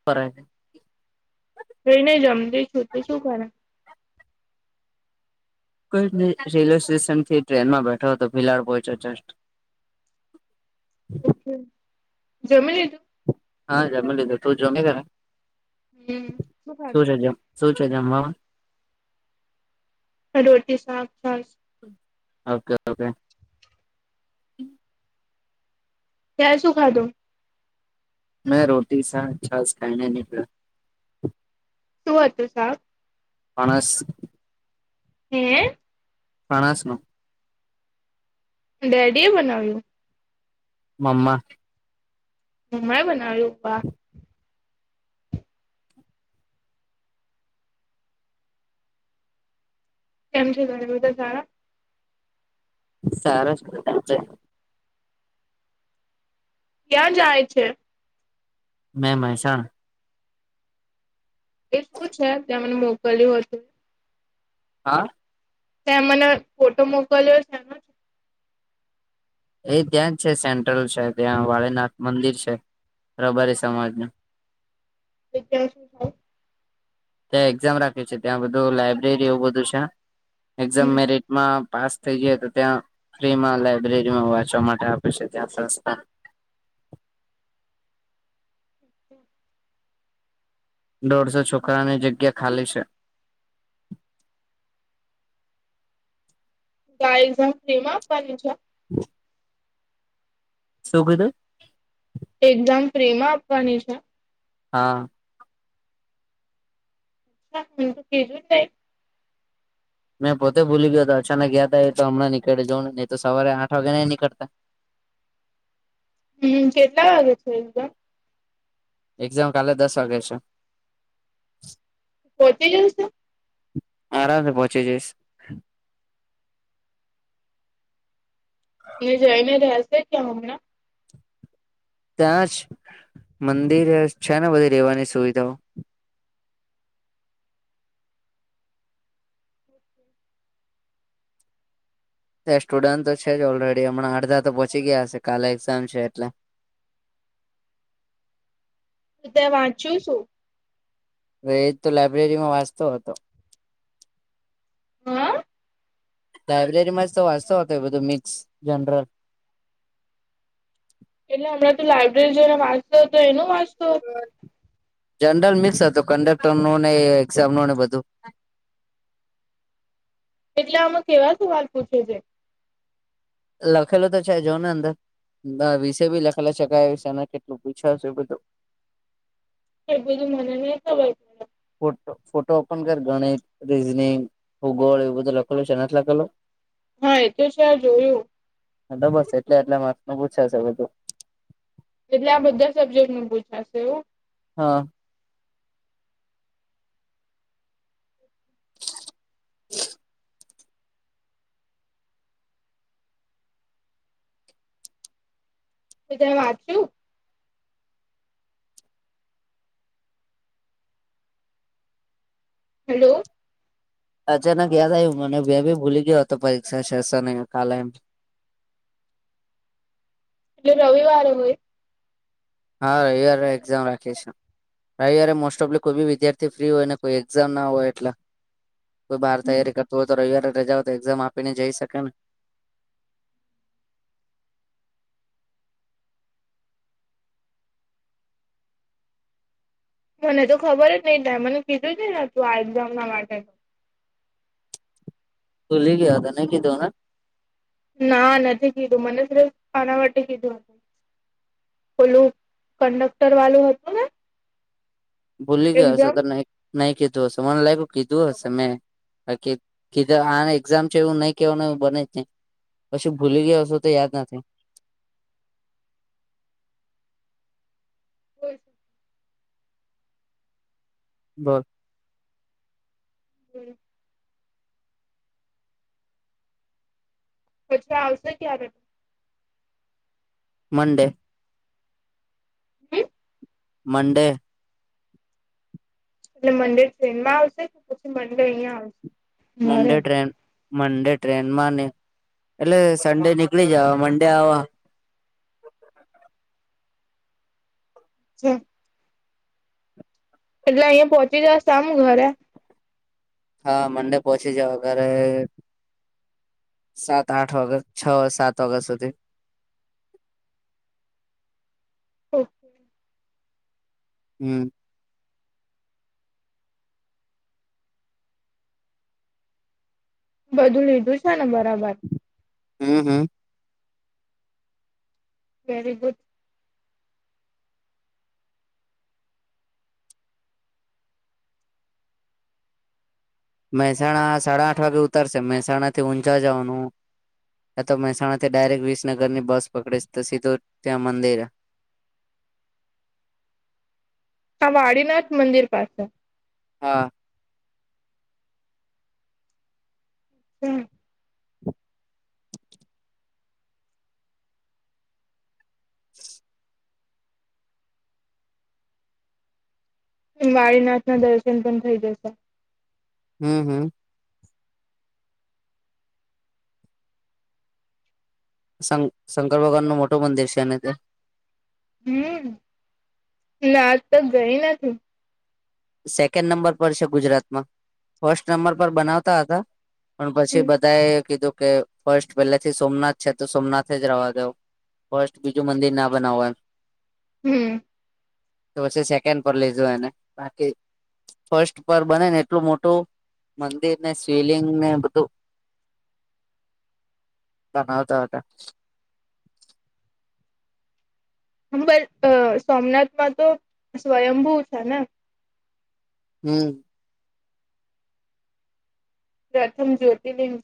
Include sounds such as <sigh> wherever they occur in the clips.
<unintelligible> જોઈને જમતી <unintelligible> કઈજ ની રેલવે સ્ટેશનથી ટ્રેનમાં બેઠો હતો ભીલાડ પહોંચો જસ્ટ જમી લીધું હા જમી લીધું તું જો શું છે, હમ શું ખાધું? જે શું છે, જમવામા? રોટલી, શાક <unintelligible> ઓકે ઓકે તે શું ખાધું મેં રોટીશા છાસ ખાયને <unintelligible> શું હતું શાક? ફણસ હે ફણસનું ડેડીએ બનાવ્યું. મમ્મા મમાએ બનાવ્યું? <unintelligible> <inaudible> કેમ છે ઘરે બધા સારા? સારા છે બધા <unintelligible> ક્યાં જાય છે? મેં મહેસાણા એ શું છે તે મને મોકલ્યું હતું. હા. તે મને ફોટો મોકલ્યો છે એનો. એ ત્યાં જ છે સેન્ટ્રલ છે, ત્યાં વાળીનાથ મંદિર છે રબારી સમાજનું. <unintelligible> ત્યાં એક્ઝામ રાખી છે, ત્યાં બધું લાઈબ્રેરી એવું બધું છે, એક્ઝામ હમ, મેરેટ એમાં પાસ થઈ જઈ એ તો, ત્યાં ફ્રીમાં લાયબ્રેરીમાં વાંચવા માટે આપે છે ત્યાં સંસ્થામાં. અચ્છા. દોઢસો છોકરાની જગ્યા ખાલી છે. ત્યાં એક્ઝામ ફ્રી આપવાની છે? <unintelligible> શુગને એક્ઝામ ફ્રી માં આપવાની છે? હા <unintelligible> મેં પોતે ભૂલી ગયો હતો અચાનક યાદ આયુ તો, તો હમણાં નીકાળી દઉ ને નહિ તો સવારે આઠ વાગે નહી નીકળતા. હમ્મ, કેટલા વાગે છે એક્ઝામ? એક્ઝામ કાલે દસ વાગે છે. પહોંચી જશો? આરામથી પહોંચી જઈશ. એ જઈને <unintelligible> ક્યાં હમણાં? ત્યાં જ મંદિરે છે ને, બધી રહેેવાની સુવિધાઓ. <inaudible> એ સ્ટુડન્ટ તો છે જ ઓલરેડી હમણાં અડધા તો પહોંચી ગયા હશે કાલે એક્ઝામ છે એટલે. તે વાંચ્યું શુ? હવે એ જ તો લાયબ્રેરીમાં વાંચતો હતો. હમ્મ. લાયબ્રેરીમાં જ તો વાંચતો હતો એ બધું મિક્સ જનરલ. એટલે હમણાં તું લાયબ્રેરી જઇને વાંચતો હતો એનું વાંચતો હતો? જનરલ મિક્સ હતું, કન્ડક્ટર નું ને એક્ઝામ નું ને બધું. એટલે આમાં કેવા સવાલ પૂછે છે? લખેલો તો છે જો ને અંદર વિષય બી લખેલો છે ક્યાં વિષયમાં કેટલું પૂછાયુ છે એ બધું. એ બધી મને નહિ ખબર. પડે ફોટ ફોટો પણ કે ગણિત, રીઝનિંગ હું ગોળ એવું બધું લખેલું છે નથ લખેલું. હા એ તો છે જોયું. હ તો બસ એટલે એટલા મા નું પુછાશે બધું. એટલે આ બધા સબ્જેક્ટનું પૂછાશે એવું. હા. તો કંઈ વાંચ્યું? હેલો. અચાનક યાદ આયું મને બે ભી ભૂલી ગયો હતો પરીક્ષા છે શનિ કાલેમ. એટલે રવિવારે હોય. હા રવિવારે એક્ઝામ રાખી છે. રવિવારે મોસ્ટ ઓફલી કોઈ બી વિદ્યાર્થી ફ્રી હોયને કોઈ એક્ઝામ ના હોય એટલ. કોઈ બાર તૈયારી કરતું હોય તો રવિવારે રજા હોય તો એક્ઝામ આપી ને જઈ શકે ને. મને તો ખબર જ નહી તા મને કીધું છે ને તું આ એક્ઝામ ના માટે. ભૂલી ગ્યાતા નહી કીધો ના. ના નથી કીધું મને શ્રીફ આના માટે કીધું હતું. ઓલું કંડક્ટર વાલું હતું ને. ભૂલી ગયો હશે એક્ઝામ તો ન નહી કીધું હશે મને લાગ્યું કીધું હશે મેં. હ કી કીધા આન એક્ઝામ છે એવું નહી કેવાનું એ બને જ નહી. પછી ભૂલી ગયા હશો તો યાદ નથી. એ છે. બસ હમ. પછી આવશે ક્યારે? હમ મંડે. હમ. મંડે. એટલે મંડે ટ્રેનમાં આવશે કે પછી મંડે અહિયાં આવશે. ઘરે મંડે ટ્રેન મંડે ટ્રેનમાં ને એટલે સન્ડે નીકળી જવા મંડે આવવા. છે એટલે અહિયાં પહોંચી જશે આમ ઘરે. હા મંડે પહોંચી જઓ ઘરે સાત આઠ ઓગસ્ટ છ સાત ઓગસ્ટ સુધી. ઓકે. હમ. બધું લીધું છે ને બરાબર. હમ હમ. Very good. મહેસાણા સાડા આઠ વાગે ઉતારશે મહેસાણા થી ઊંઝા જવાનું. આ તો મહેસાણા થી ડાયરેક વિસનગર ની બસ પકડી સ તો સીધું ત્યાં મંદિરે. આ વાડીનાથ મંદિર પાસે. હા. હમ. જ વાળીનાથ ના દર્શન પણ થઇ જશે હમ હમ શંકર ભગવાન નું મોટું મંદિર છે અને તે હમ નાજ તો ગઈ નથી સેકન્ડ નંબર પર છે ગુજરાત માં ફર્સ્ટ નંબર પર બનાવતા હતા પણ પછી બધા એ કીધું કે ફર્સ્ટ પહેલા થી સોમનાથ છે તો સોમનાથ જ રહેવા દો ફસ્ટ બીજું મંદિર ના બનાવો એમ હમ તો પછી સેકન્ડ પર લઈ જાવ એને બાકી ફર્સ્ટ પર બને ને એટલું મોટું મંદિર ને શિવલીંગ ને બધું <inaudible> બનાવતા હતા હા બટ સોમનાથમાં તો સ્વયંભૂ છે ને હમ પ્રથમ જ્યોતિર્લિંગ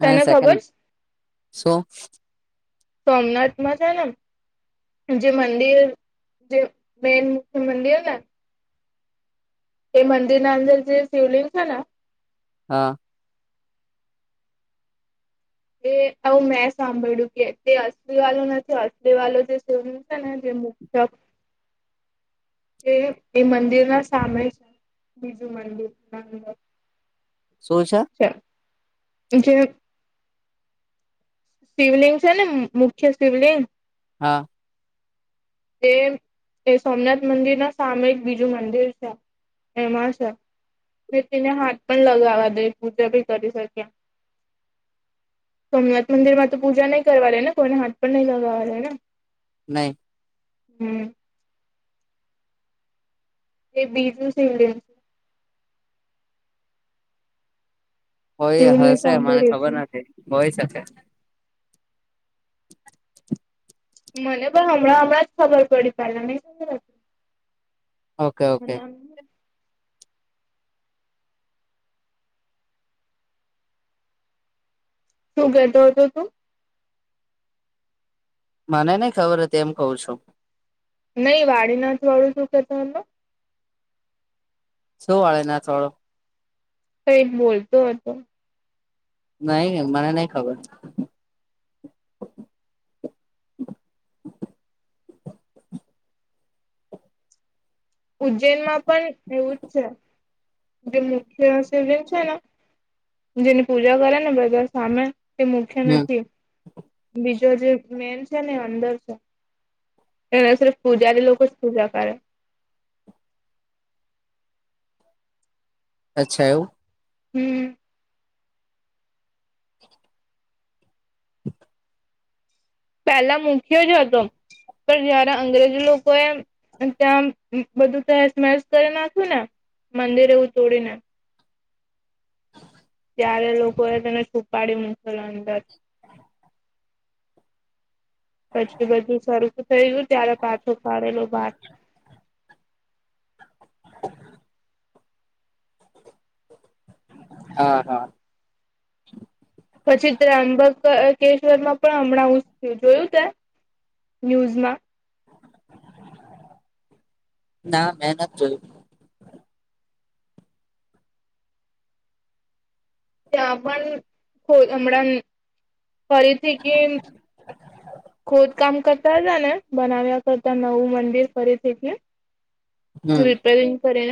હ તને સેકન્ડ ખબર છે સો સોમનાથ માં છે ને જે મંદિર જે મેઈન મુખ્ય મંદિરને એ મંદિરના અંદર જે શિવલિંગ છે ના હા એ આવું મેં સાંભળ્યું કે તે અસલી વાલુ નથી અસલી વાલુ જે શિવલીંગ જે મુખ્ય એ મંદિર ના સામે છે. બીજું મંદિર નાનુ એવુ શું છે? <unintelligible> શિવલિંગ છે ને મુખ્ય શિવલિંગ હા એ એ સોમનાથ મંદિર ના સામે એક બીજું મંદિર છે. એમાં છે. મે તેને હાથ પણ લગાવવા દઈ પૂજા ભી કરી શકી સોમનાથ મંદિર માં તો પૂજા નહીં કરવા દે ને કોઈને હાથ પણ નય લગાવવા દે ને નહી હમ એ બીજું શિવલિંગ છે હોય એવું મેં હશે મને સાંભળ્યું ખબર હતું. નથી હોય શકે મને પણ હમણાં હમણાં જ ખબર પડી પહેલા નથી ઓકે ઓકે શું કહેતો હતો તું? મને નઈ ખબર એમ કહુ છું. નહી વાડીનાથ વાળું શું કહેતો હતો? શું વાળીનાથ વાળુ? કંઈક બોલતો હતો નહી મને નઈ ખબર ઉજ્જૈનમાં પણ એવું જ છે. જે મુખ્ય શિવલીંગ છે ને જેની પૂજા કરે ને બધા સામે તે મુખ્ય હમ નથી બીજો જે મેેઈન છે ને અંદર છે. એ પૂજારી લોકો જ પૂજા કરે અચ્છા એવું હમ પહેલા મૂખ્ય જ હતો પણ જયારે અંગ્રેજ લોકોએ ત્યાં બધું તહેસ નહેસ કરી નાખ્યુ ને મંદિર એવું તોડીને <inaudible> ત્યારે લોકો એ તને છુપાડી મૂકેલ અંદર પછું બધું સરખું થય ગયું ત્યારે પાછો છુપાડેલો બહાર <inaudible> હા હા પછી તે અંબક કેશવર માં પણ હમણાં થયું જોયું તે ન્યૂઝમાં ના મેનાથ જોયુ ત્યાં પણ હમણાં ફરીથી કે ખોદ કામ કરતા જા ને બનાવ્યા કરતા નવું મંદિર ફરી થી તી હમ હમ્મ કરે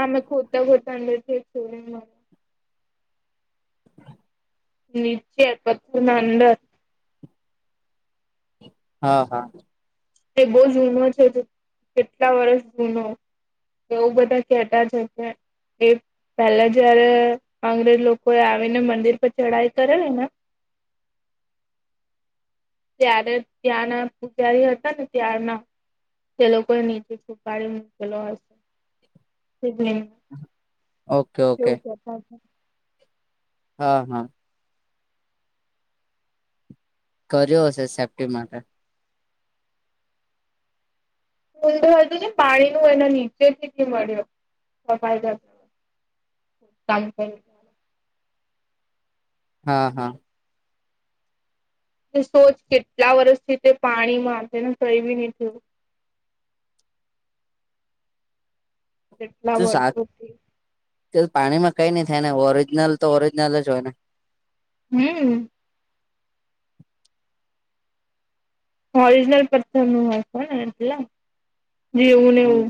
આમે ખોરતા ખોરતા અંદર નીચે પતું ના અંદર હા હા તે બહુ જૂનો છે કેટલા વર્ષ જૂનો એવું બધા કેતા છે કે એ પેલા જયારે અંગ્રેજ લોકો એ આવીને મંદિર પર ચઢાઈ કરેલી ને ત્યારે ત્યાંના પૂજારી હતા ને ત્યાંના તે લોકોએ નીચે છૂપાઈ મૂકેલો હશે ઓકે ઓકે <inaudible> હા હા કર્યો હશે સેફ્ટી માટે ઊંધું હતું ને પાણી નું એના નીચેથી થી મળ્યો સફાયદ <inaudible> હા હા તું સોચ કેટલા વર્ષથી તે પાણીમાં તેને કઈબી નહીં થું <inaudible> <unintelligible> વર્ષોથી પાણીમાં કઈ નઈ થાય ને ઓરિજનલ તો ઓરિજનલ જ હોય ને- હમ્મ ઓરિજનલ પથ્થર નું હોય છે ને એટલા જેવું ને હમ એવું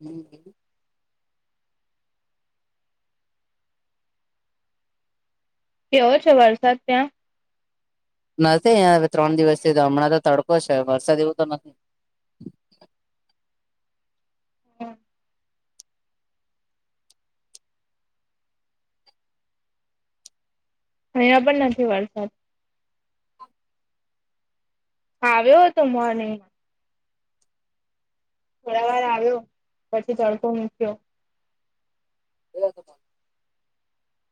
હમ્મ કેવો છે વરસાદ ત્યાં નથી હવે ત્રણ દિવસથી તો હમણાં તો તડકો છે વરસાદ એવું તો નથી હમ્મ અહીંયા પણ નથી વરસાદ આવ્યો હતો મોર્નિંગમાં થોડા વાર આવ્યો પછી તડકો મૂક્યો <unintelligible>